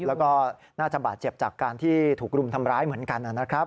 แล้วก็น่าจะบาดเจ็บจากการที่ถูกรุมทำร้ายเหมือนกันนะครับ